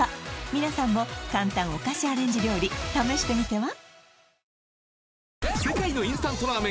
皆さんも簡単お菓子アレンジ料理試してみては？